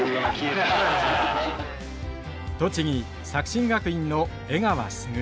栃木作新学院の江川卓。